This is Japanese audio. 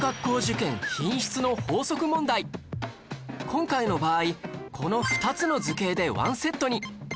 今回の場合この２つの図形でワンセットに